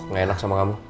gak enak sama kamu